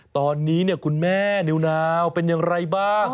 ตอนนี้คุณแม่นิวนาวเป็นอย่างไรบ้าง